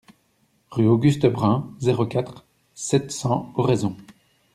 Rue Auguste Brun, zéro quatre, sept cents Oraison